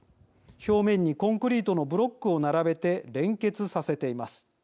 表面にコンクリートのブロックを並べて連結させています。